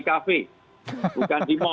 kafe bukan di mall